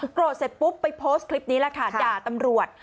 เสร็จปุ๊บไปโพสต์คลิปนี้แหละค่ะด่าตำรวจ